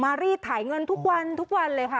รีดถ่ายเงินทุกวันทุกวันเลยค่ะ